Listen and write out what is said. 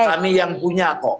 kami yang punya kok